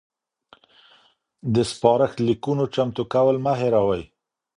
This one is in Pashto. د سپارښت لیکونو چمتو کول مه هیروئ.